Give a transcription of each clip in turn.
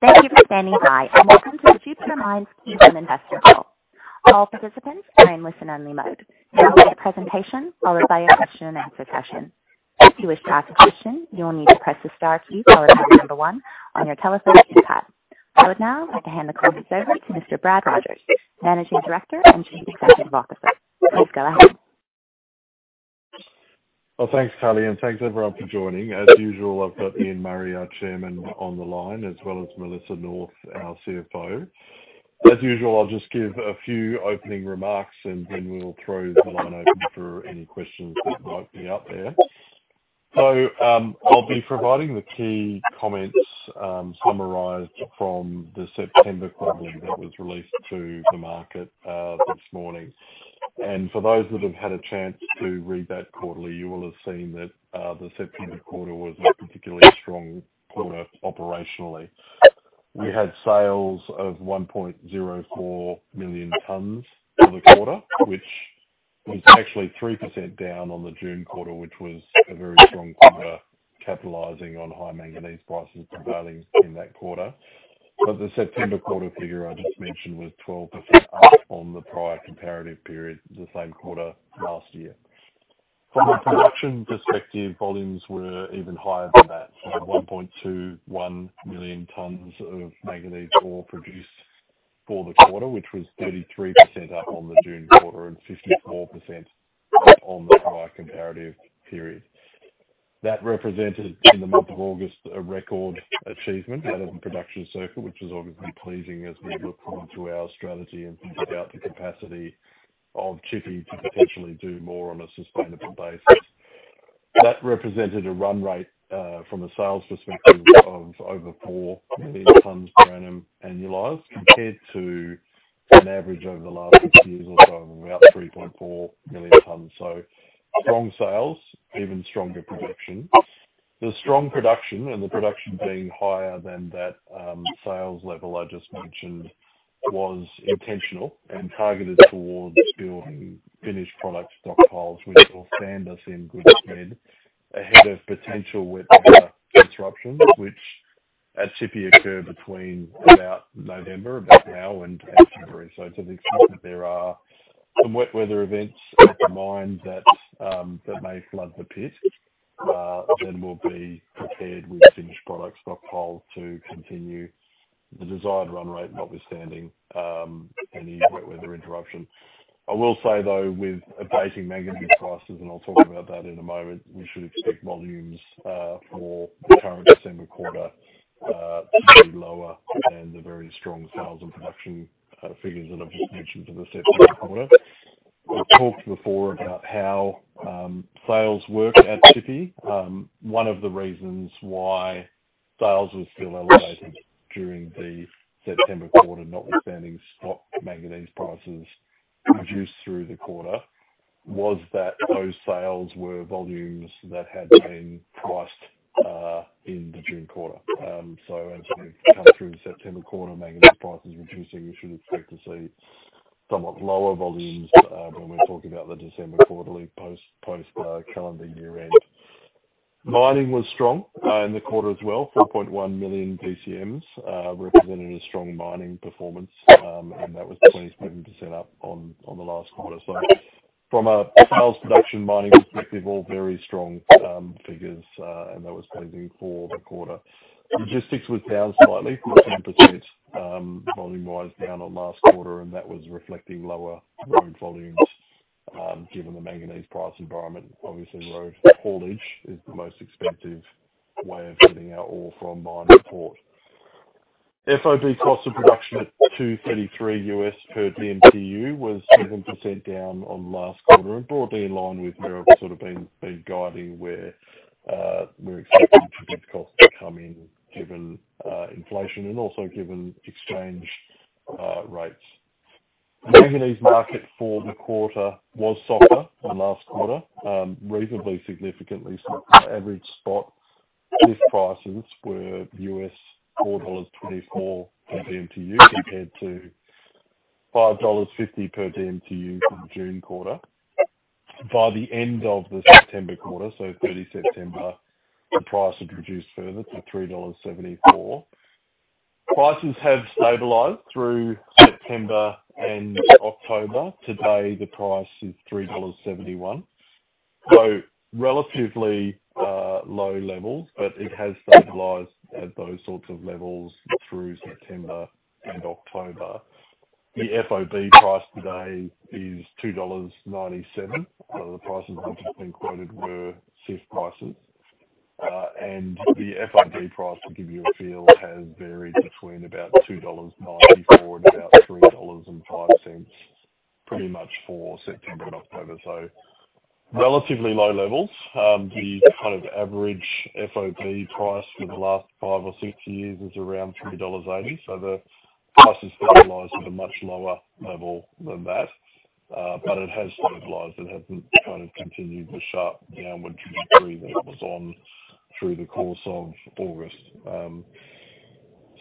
Thank you for standing by and welcome to the Jupiter Mines Ian Murray Investor Call. All participants are in listen-only mode. You will get a presentation followed by a question-and-answer session. If you wish to ask a question, you will need to press the star key or press number one on your telephone keypad. I would now like to hand the conference over to Mr. Brad Rogers, Managing Director and Chief Executive Officer. Please go ahead. Well, thanks, Kelly, and thanks everyone for joining. As usual, I've got Ian Murray, our Chairman, on the line, as well as Melissa North, our CFO. As usual, I'll just give a few opening remarks, and then we'll throw the line open for any questions that might be out there. So I'll be providing the key comments summarized from the September quarterly that was released to the market this morning. And for those that have had a chance to read that quarterly, you will have seen that the September quarter was a particularly strong quarter operationally. We had sales of 1.04 million tons for the quarter, which was actually 3% down on the June quarter, which was a very strong quarter, capitalizing on high manganese prices prevailing in that quarter. But the September quarter figure I just mentioned was 12% up on the prior comparative period, the same quarter last year. From a production perspective, volumes were even higher than that, with 1.21 million tons of manganese ore produced for the quarter, which was 33% up on the June quarter and 54% up on the prior comparative period. That represented, in the month of August, a record achievement out of the production circuit, which was obviously pleasing as we looked through our strategy and figured out the capacity of Tshipi to potentially do more on a sustainable basis. That represented a run rate from a sales perspective of over 4 million tons per annum annualized compared to an average over the last six years or so of about 3.4 million tons. So strong sales, even stronger production. The strong production and the production being higher than that sales level I just mentioned was intentional and targeted towards building finished product stockpiles, which will stand us in good stead ahead of potential wet weather disruptions, which at Tshipi occur between about November, about now, and February. So to the extent that there are some wet weather events at the mine that may flood the pit, then we'll be prepared with finished product stockpiles to continue the desired run rate while we're standing any wet weather interruption. I will say, though, with abating manganese prices, and I'll talk about that in a moment, we should expect volumes for the current December quarter to be lower than the very strong sales and production figures that I've just mentioned for the September quarter. We've talked before about how sales work at Tshipi. One of the reasons why sales were still elevated during the September quarter, notwithstanding soft manganese prices produced through the quarter, was that those sales were volumes that had been priced in the June quarter. So as we come through the September quarter, manganese prices reducing, we should expect to see somewhat lower volumes when we're talking about the December quarterly post-calendar year-end. Mining was strong in the quarter as well. 4.1 million bcm represented a strong mining performance, and that was 27% up on the last quarter. So from a sales-production-mining perspective, all very strong figures, and that was pleasing for the quarter. Logistics was down slightly, 14% volume-wise down on last quarter, and that was reflecting lower road volumes given the manganese price environment. Obviously, road haulage is the most expensive way of getting our ore from mine to port. FOB cost of production at $233 per dmtu was 7% down on last quarter, and broadly in line with where I've sort of been guiding where we're expecting to get costs to come in given inflation and also given exchange rates. The manganese market for the quarter was softer than last quarter, reasonably significantly softer. Average spot CIF prices were $4.24 per dmtu compared to $5.50 per dmtu for the June quarter. By the end of the September quarter, so 30 September, the price had reduced further to $3.74. Prices have stabilized through September and October. Today, the price is $3.71, so relatively low levels, but it has stabilized at those sorts of levels through September and October. The FOB price today is $2.97, so the prices we've just been quoted were CIF prices. The FOB price, to give you a feel, has varied between about $2.94 and about $3.05 pretty much for September and October. So relatively low levels. The kind of average FOB price for the last five or six years is around $3.80. So the price has stabilized at a much lower level than that, but it has stabilized. It hasn't kind of continued the sharp downward trajectory that it was on through the course of August.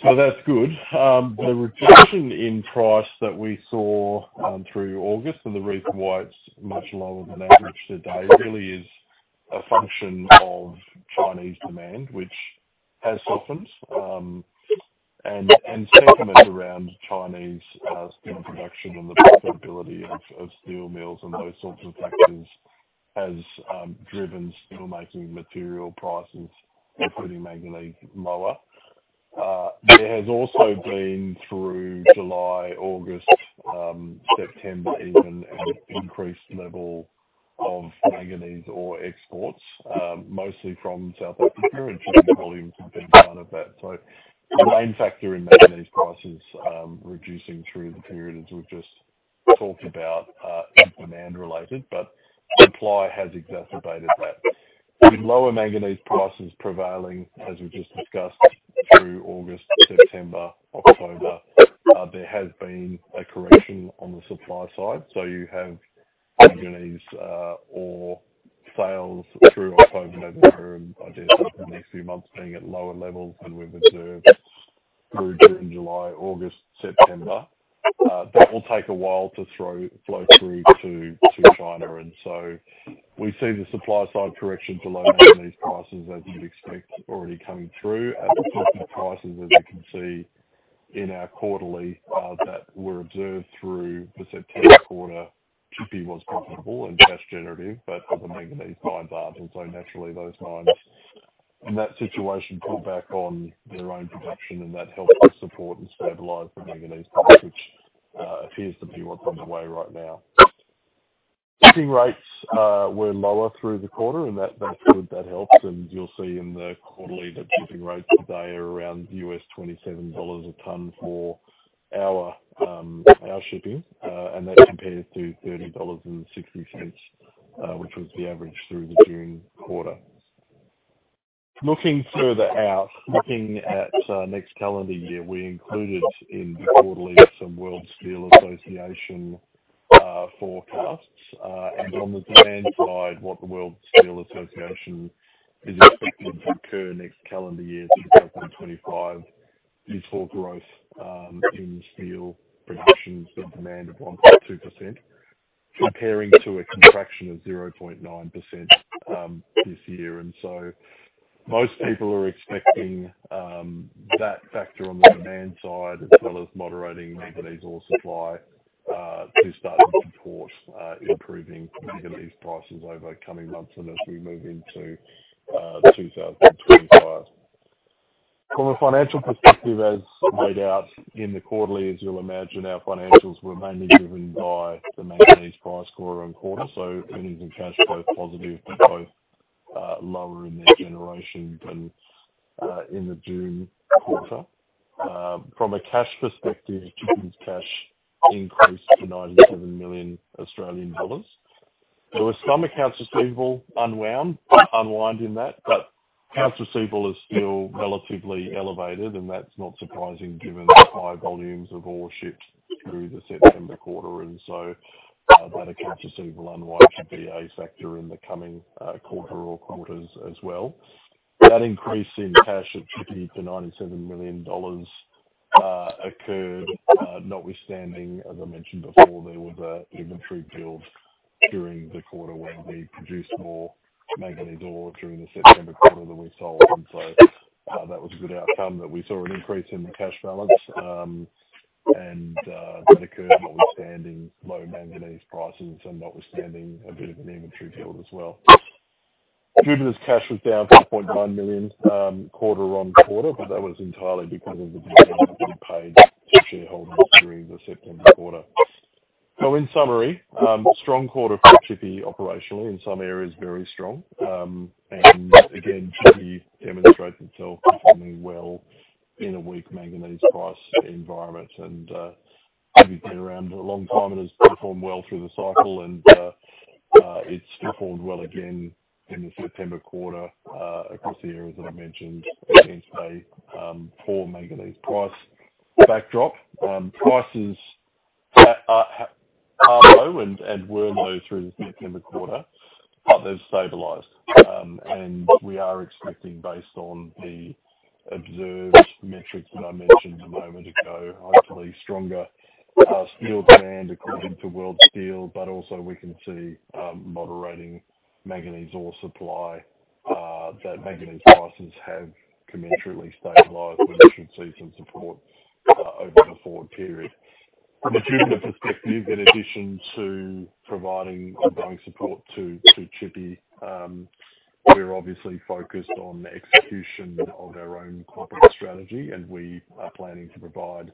So that's good. The reduction in price that we saw through August, and the reason why it's much lower than average today, really is a function of Chinese demand, which has softened. And sentiment around Chinese steel production and the profitability of steel mills and those sorts of factors has driven steelmaking material prices, including manganese, lower. There has also been, through July, August, September even, an increased level of manganese ore exports, mostly from South Africa, and Tshipi volumes have been part of that. So the main factor in manganese prices reducing through the period, as we've just talked about, is demand-related, but supply has exacerbated that. With lower manganese prices prevailing, as we've just discussed, through August, September, October, there has been a correction on the supply side. So you have manganese ore sales through October and November, and I guess in the next few months being at lower levels than we've observed through July, August, September. That will take a while to flow through to China, and so we see the supply-side correction to lower manganese prices, as you'd expect, already coming through. At the top of prices, as you can see in our quarterly that we're observed through the September quarter, Tshipi was profitable and cash-generative, but the manganese mines aren't, and so naturally, those mines, in that situation, pulled back on their own production, and that helped to support and stabilize the manganese price, which appears to be what's underway right now. Shipping rates were lower through the quarter, and that's good. That helps, and you'll see in the quarterly that shipping rates today are around $27 a ton for our shipping, and that compares to $30.60, which was the average through the June quarter. Looking further out, looking at next calendar year, we included in the quarterly some World Steel Association forecasts. And on the demand side, what the World Steel Association is expecting to occur next calendar year 2025 is for growth in steel productions and demand of 1.2%, comparing to a contraction of 0.9% this year. And so most people are expecting that factor on the demand side, as well as moderating manganese ore supply, to start to support improving manganese prices over coming months and as we move into 2025. From a financial perspective, as laid out in the quarterly, as you'll imagine, our financials were mainly driven by the manganese price quarter on quarter. So earnings and cash both positive but both lower in their generation than in the June quarter. From a cash perspective, Tshipi's cash increased to 97 million Australian dollars. There were some accounts receivable unwound in that, but accounts receivable is still relatively elevated, and that's not surprising given the high volumes of ore shipped through the September quarter. And so that accounts receivable unwound should be a factor in the coming quarter or quarters as well. That increase in cash at Tshipi to $97 million occurred notwithstanding, as I mentioned before, there was an inventory build during the quarter when we produced more manganese ore during the September quarter than we sold. And so that was a good outcome that we saw an increase in the cash balance, and that occurred notwithstanding low manganese prices and notwithstanding a bit of an inventory build as well. Jupiter's cash was down $4.9 million quarter on quarter, but that was entirely because of the dividends that we paid to shareholders during the September quarter. In summary, strong quarter for Tshipi operationally, in some areas very strong. Again, Tshipi demonstrates itself performing well in a weak manganese price environment. Tshipi's been around a long time and has performed well through the cycle, and it's performed well again in the September quarter across the areas that I mentioned against a poor manganese price backdrop. Prices are low and were low through the September quarter, but they've stabilized. We are expecting, based on the observed metrics that I mentioned a moment ago, hopefully stronger steel demand according to World Steel, but also we can see moderating manganese ore supply that manganese prices have commensurately stabilized, which should see some support over the forward period. From a Jupiter perspective, in addition to providing ongoing support to Tshipi, we're obviously focused on the execution of our own corporate strategy, and we are planning to provide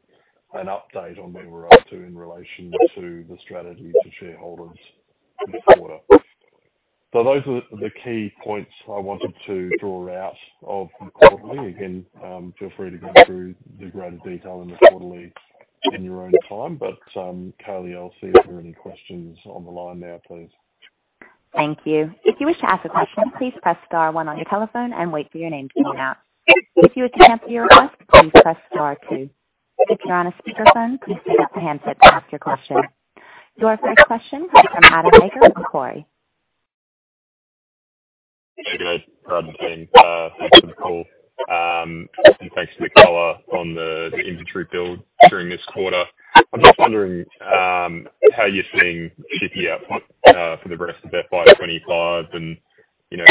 an update on where we're up to in relation to the strategy to shareholders this quarter. So those are the key points I wanted to draw out of the quarterly. Again, feel free to go through the greater detail in the quarterly in your own time, but Kelly, I'll see if there are any questions on the line now, please. Thank you. If you wish to ask a question, please press star one on your telephone and wait for your name to come out. If you would like to cancel your request, please press star two. If you're on a speakerphone, please take out the handset to ask your question. Your first question is from Adam Baker and Macquarie. Hey, guys. Brad and Kelly, and thanks for the call on the inventory build during this quarter. I'm just wondering how you're seeing Tshipi output for the rest of FY25 and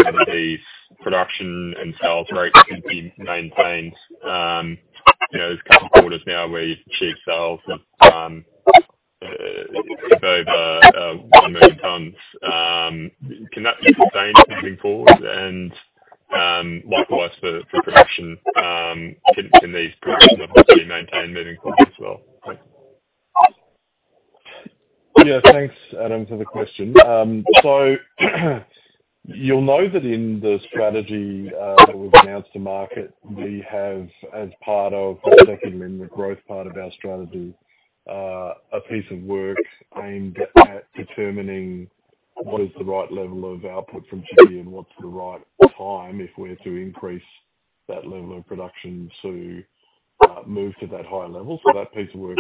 whether these production and sales rates can be maintained. There's a couple of quarters now where you've achieved sales of over 1 million tons. Can that be sustained moving forward? And likewise, for production, can these production levels be maintained moving forward as well? Yeah. Thanks, Adam, for the question. So you'll know that in the strategy that we've announced to market, we have, as part of the second amendment growth part of our strategy, a piece of work aimed at determining what is the right level of output from Tshipi and what's the right time if we're to increase that level of production to move to that higher level, so that piece of work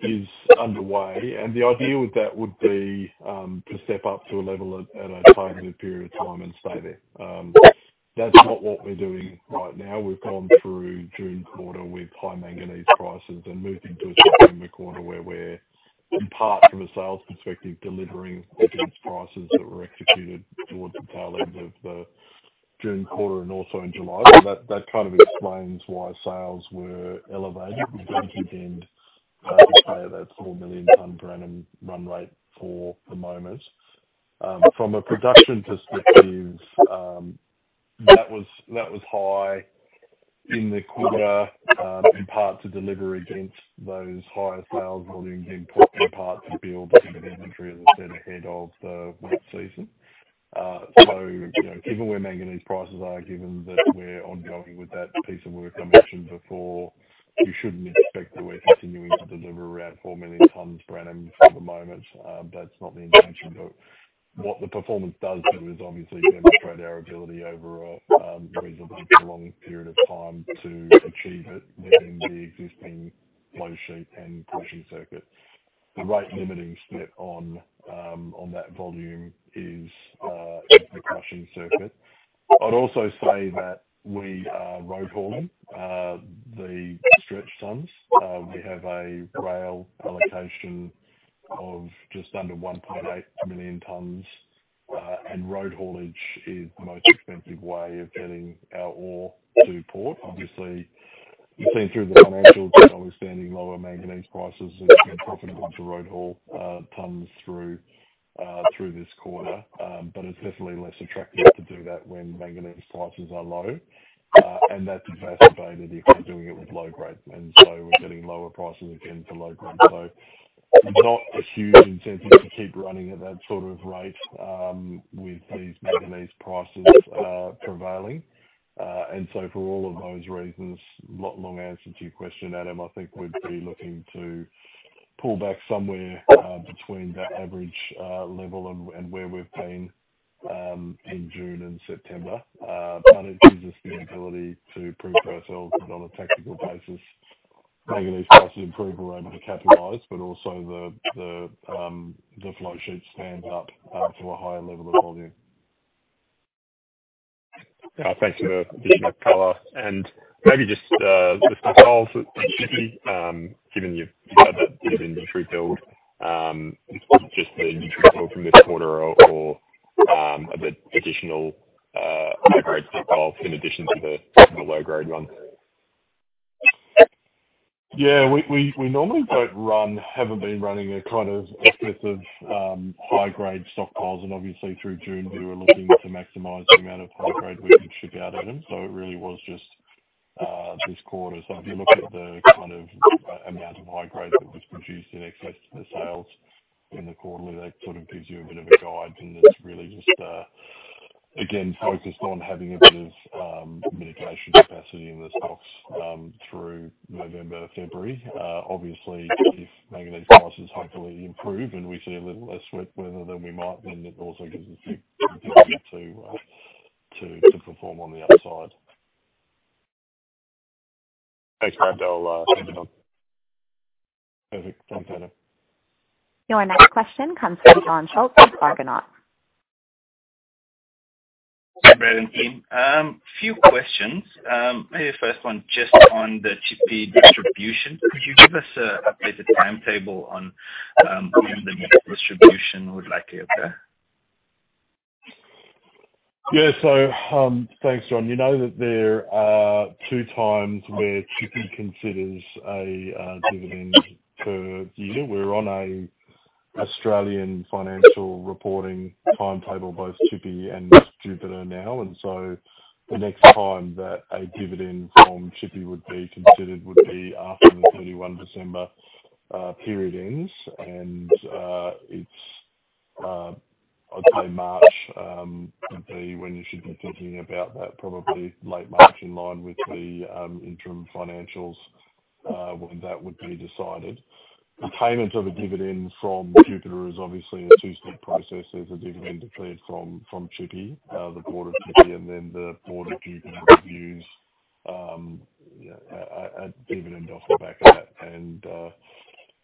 is underway. And the idea with that would be to step up to a level at a targeted period of time and stay there. That's not what we're doing right now. We've gone through June quarter with high manganese prices and moved into a September quarter where we're, in part from a sales perspective, delivering against prices that were executed towards the tail end of the June quarter and also in July. So that kind of explains why sales were elevated. We don't intend to stay at that 4 million tonne per annum run rate for the moment. From a production perspective, that was high in the quarter, in part to deliver against those higher sales volumes in part to build some of the inventory that was set ahead of the wet season. So given where manganese prices are, given that we're ongoing with that piece of work I mentioned before, you shouldn't expect that we're continuing to deliver around four million tons per annum for the moment. That's not the intention. But what the performance does do is obviously demonstrate our ability over a reasonably prolonged period of time to achieve it within the existing flow sheet and crushing circuit. The rate-limiting step on that volume is the crushing circuit. I'd also say that we are road hauling the stretched tons. We have a rail allocation of just under 1.8 million tons, and road haulage is the most expensive way of getting our ore to port. Obviously, seeing through the financials, notwithstanding lower manganese prices, it's been profitable to road haul tons through this quarter, but it's definitely less attractive to do that when manganese prices are low. And that's exacerbated if we're doing it with low grade. And so we're getting lower prices again for low grade. So not a huge incentive to keep running at that sort of rate with these manganese prices prevailing. And so for all of those reasons, long answer to your question, Adam, I think we'd be looking to pull back somewhere between that average level and where we've been in June and September. But it gives us the ability to prove to ourselves that on a tactical basis, manganese prices improve, we're able to capitalize, but also the flow sheet stands up to a higher level of volume. Thanks for the color. And maybe just the stock of given you've said that it's an inventory build, just the inventory build from this quarter or the additional high-grade stockpiles in addition to the low-grade ones? Yeah. We normally don't run; we haven't been running a kind of excessive high-grade stockpiles. And obviously, through June, we were looking to maximize the amount of high-grade we could ship out at them. So it really was just this quarter. So if you look at the kind of amount of high-grade that was produced in excess of the sales in the quarterly, that sort of gives you a bit of a guide. And it's really just, again, focused on having a bit of mitigation capacity in the stocks through November, February. Obviously, if manganese prices hopefully improve and we see a little less wet weather than we might, then it also gives us the ability to perform on the upside. Thanks, Brad. I'll hand it off. Perfect. Thanks, Adam. Your next question comes from John Schulze with Argonaut. Hi, Brad and team. Few questions. Maybe the first one just on the Tshipi distribution. Could you give us an updated timetable on when the distribution would likely occur? Yeah. So thanks, John. You know that there are two times where Tshipi considers a dividend per year. We're on an Australian financial reporting timetable, both Tshipi and Jupiter now. And so the next time that a dividend from Tshipi would be considered would be after the 31st December period ends. And I'd say March would be when you should be thinking about that, probably late March in line with the interim financials when that would be decided. The payment of a dividend from Jupiter is obviously a two-step process. There's a dividend declared from Tshipi, the board of Tshipi, and then the board of Jupiter reviews a dividend off the back of that.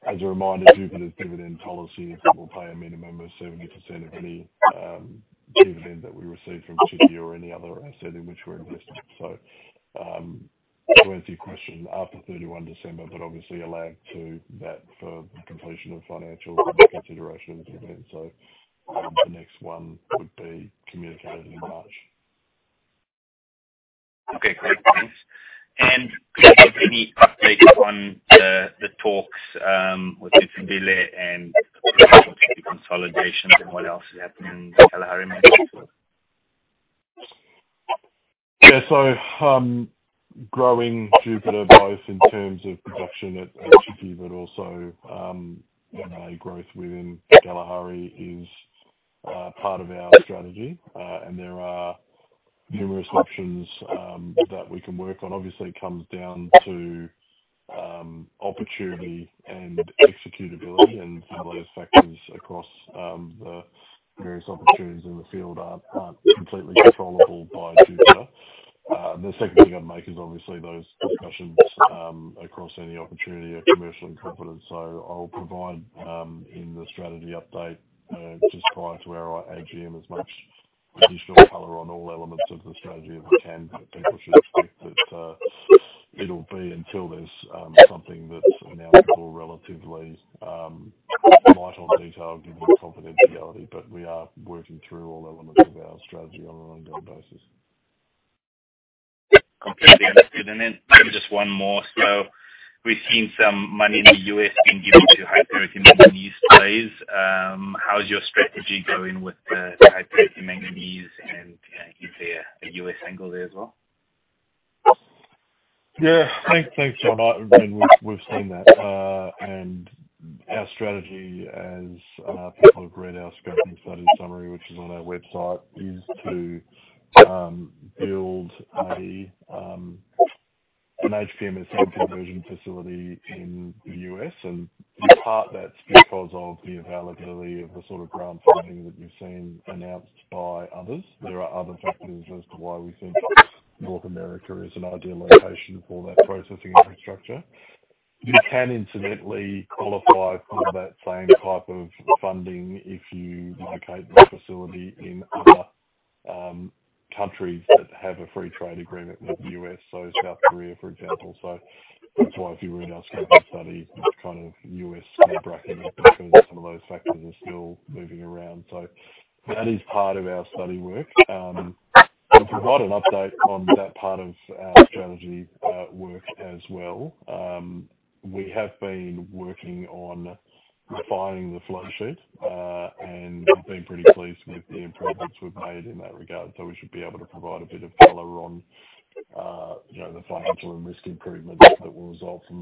As a reminder, Jupiter's dividend policy is that we'll pay a minimum of 70% of any dividend that we receive from Tshipi or any other asset in which we're invested. So to answer your question, after 31st December, but obviously allowed to that for the completion of financial consideration and dividend. So the next one would be communicated in March. Okay. Great. Thanks. And could you give any updates on the talks with Ntsimbintle and the production consolidation and what else is happening in Kalahari Manganese? Yeah. So growing Jupiter, both in terms of production at Tshipi, but also growth within Kalahari is part of our strategy. And there are numerous options that we can work on. Obviously, it comes down to opportunity and executability. And some of those factors across the various opportunities in the field aren't completely controllable by Jupiter. The second thing I'd make is obviously those discussions across any opportunity are commercially confidential. So I'll provide in the strategy update just prior to our AGM as much additional color on all elements of the strategy as I can. But people should expect that it'll be until there's something that's now more relatively detailed given the confidentiality. But we are working through all elements of our strategy on an ongoing basis. Completely understood. And then maybe just one more. So we've seen some money in the U.S. being given to high-purity manganese plays. How's your strategy going with the high-purity manganese? And is there a U.S. angle there as well? Yeah. Thanks, John. We've seen that. And our strategy, as people have read our scoping study summary, which is on our website, is to build an HPMSM conversion facility in the U.S. And in part, that's because of the availability of the sort of grant funding that you've seen announced by others. There are other factors as to why we think North America is an ideal location for that processing infrastructure. You can incidentally qualify for that same type of funding if you locate the facility in other countries that have a free trade agreement with the U.S., so South Korea, for example. So that's why if you read our scoping study, it's kind of US sub-branded because some of those factors are still moving around. So that is part of our study work. I'll provide an update on that part of our strategy work as well. We have been working on refining the flow sheet, and we've been pretty pleased with the improvements we've made in that regard. So we should be able to provide a bit of color on the financial and risk improvements that will result from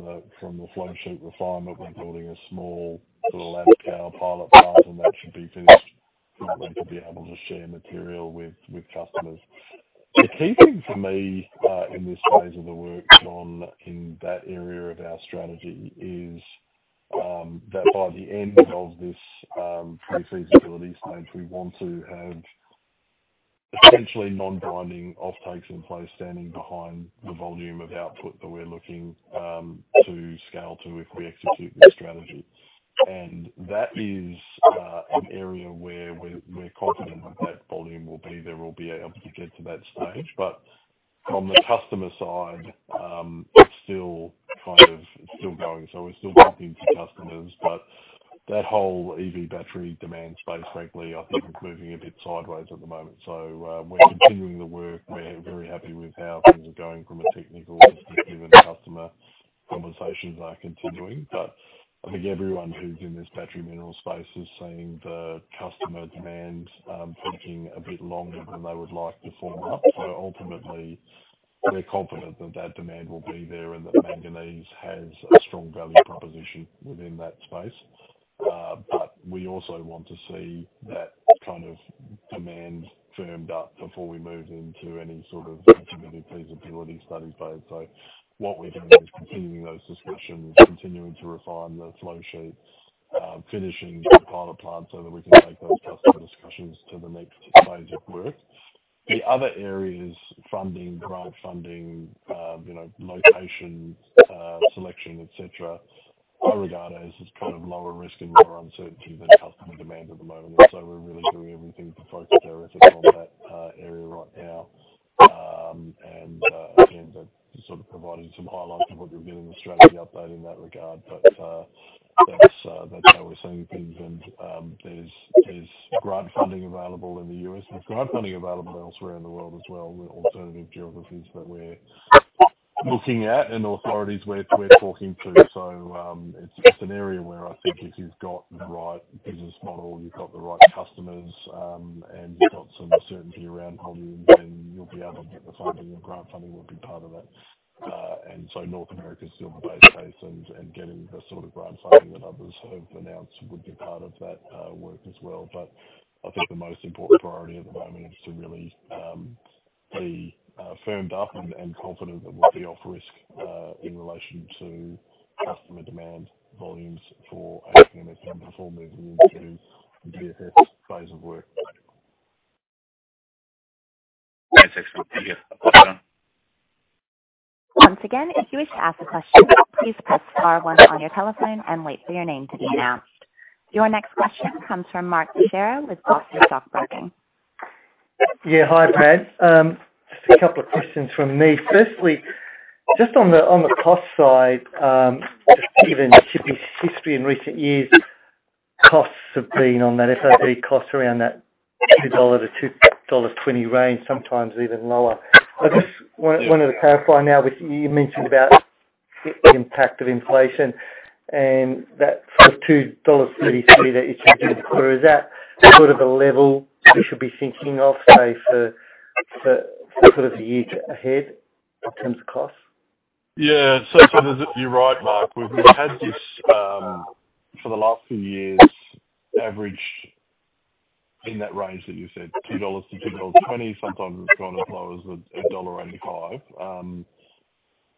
the flow sheet refinement. We're building a small sort of lab scale pilot plant, and that should be finished so that we can be able to share material with customers. The key thing for me in this phase of the work, John, in that area of our strategy, is that by the end of this pre-feasibility stage, we want to have essentially non-binding offtakes in place standing behind the volume of output that we're looking to scale to if we execute this strategy. And that is an area where we're confident that that volume will be. There will be able to get to that stage. But on the customer side, it's still kind of going. So we're still talking to customers. But that whole EV battery demand space, frankly, I think is moving a bit sideways at the moment. So we're continuing the work. We're very happy with how things are going from a technical perspective and customer conversations are continuing. But I think everyone who's in this battery mineral space is seeing the customer demand taking a bit longer than they would like to form up. So ultimately, we're confident that that demand will be there and that manganese has a strong value proposition within that space. But we also want to see that kind of demand firmed up before we move into any sort of pre-feasibility studies phase. So what we're doing is continuing those discussions, continuing to refine the flow sheet, finishing the pilot plant so that we can take those customer discussions to the next phase of work. The other areas, funding, grant funding, location selection, etc., I regard as kind of lower risk and more uncertainty than customer demand at the moment, and so we're really doing everything to focus our efforts on that area right now, and again, that's sort of providing some highlights of what you're getting the strategy update in that regard, but that's how we're seeing things, and there's grant funding available in the U.S. There's grant funding available elsewhere in the world as well with alternative geographies that we're looking at and authorities we're talking to, so it's an area where I think if you've got the right business model, you've got the right customers, and you've got some certainty around volume, then you'll be able to get the funding, and grant funding will be part of that. And so North America is still the base case, and getting the sort of grant funding that others have announced would be part of that work as well. But I think the most important priority at the moment is to really be firmed up and confident that we'll be off risk in relation to customer demand volumes for HPMSM before moving into the DFS phase of work. That's excellent. Thank you. Applause, John. Once again, if you wish to ask a question, please press star one on your telephone and wait for your name to be announced. Your next question comes from Mark Cherra with Foster Stockbroking. Yeah. Hi, Brad. Just a couple of questions from me. Firstly, just on the cost side, just given Tshipi's history in recent years, costs have been on that FOB cost around that $2-$2.20 range, sometimes even lower. I just wanted to clarify now with what you mentioned about the impact of inflation and that sort of $2.33 that you're charging Jupiter. Is that sort of a level we should be thinking of, say, for sort of a year ahead in terms of costs? Yeah. So you're right, Mark. We've had this for the last few years, averaged in that range that you said, $2-$2.20, sometimes we've gone as low as $1.85.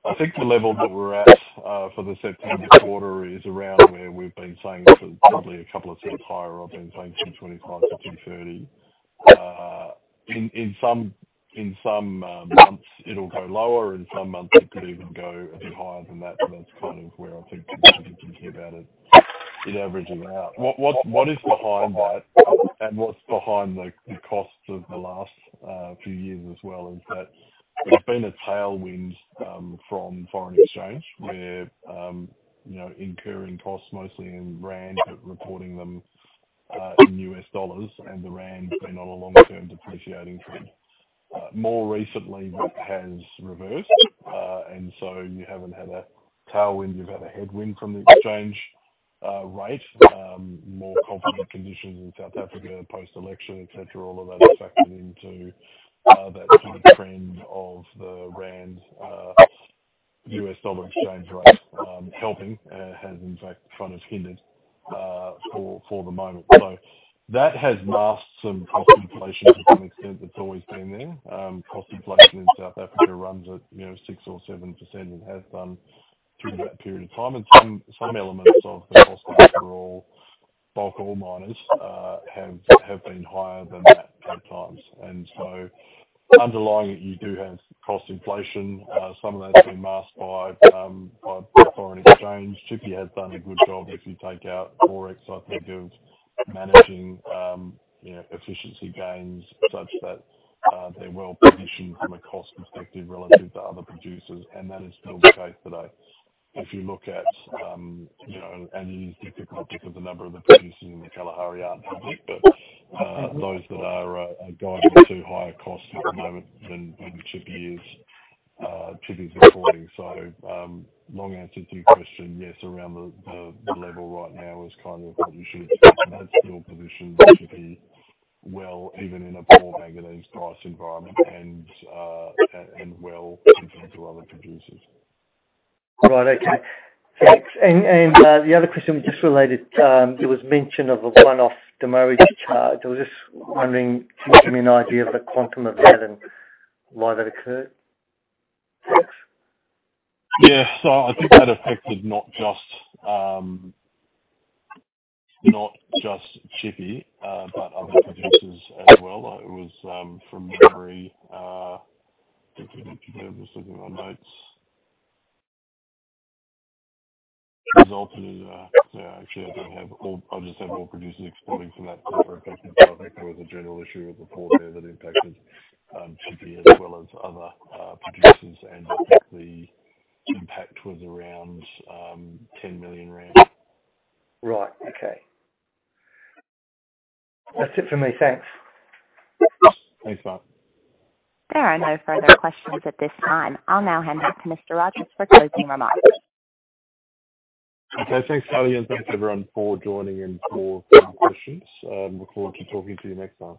I think the level that we're at for the September quarter is around where we've been saying for probably a couple of cents higher. I've been saying $2.25-$2.30. In some months, it'll go lower. In some months, it could even go a bit higher than that. So that's kind of where I think we should be thinking about it, in averaging out. What is behind that and what's behind the costs of the last few years as well is that there's been a tailwind from foreign exchange where incurring costs, mostly in rand, but reporting them in U.S. dollars and the rand being on a long-term depreciating trend. More recently, that has reversed. And so you haven't had a tailwind. You've had a headwind from the exchange rate. More confident conditions in South Africa post-election, etc., all of that has factored into that sort of trend of the rand-U.S. dollar exchange rate helping has, in fact, kind of hindered for the moment. So that has masked some cost inflation to some extent that's always been there. Cost inflation in South Africa runs at 6%-7% and has done through that period of time. And some elements of the cost overall bulk ore miners have been higher than that at times. And so underlying it, you do have cost inflation. Some of that's been masked by foreign exchange. Tshipi has done a good job. If you take out Forex, I think of managing efficiency gains such that they're well positioned from a cost perspective relative to other producers. And that is still the case today. If you look at and it is difficult because a number of the producers in the Kalahari aren't happy, but those that are going to higher costs at the moment than Tshipi is, Tshipi's reporting. So long answer to your question, yes, around the level right now is kind of what you should expect. And that's still positioned Tshipi well, even in a poor manganese price environment and well in terms of other producers. Right. Okay. Thanks. And the other question was just related. There was mention of a one-off demurrage charge. I was just wondering if you can give me an idea of the quantum of that and why that occurred. Thanks. Yeah. So I think that affected not just Tshipi, but other producers as well. It was from memory. I think I'm just looking at my notes. Resulted, yeah, actually, I don't have all I'll just have all producers exporting from that corporate basis. So I think there was a general issue with the port there that impacted Tshipi as well as other producers. And I think the impact was around 10 million rand. Right. Okay. That's it for me. Thanks. Thanks, Mark. There are no further questions at this time. I'll now hand back to Mr. Rogers for closing remarks. Okay. Thanks, Kelly. And thanks, everyone, for joining and for your questions. Look forward to talking to you next time.